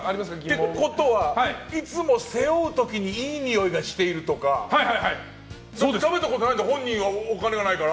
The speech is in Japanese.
ってことは、いつも背負う時にいいにおいがしているとか食べたことないんでしょ本人はお金がないから。